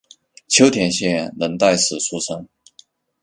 秋田县能代市出身。